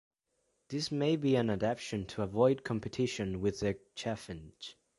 This may be an adaptation to avoid competition with the Chaffinch.